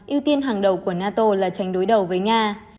ưu tiên hàng đầu của nato là tránh đối đầu với nga